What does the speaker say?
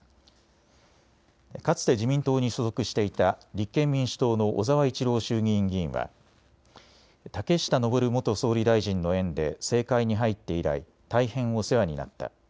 かつて自民党に所属していた立憲民主党の小沢一郎衆議院議員は竹下登元総理大臣の縁で政界に入って以来、大変お世話になった。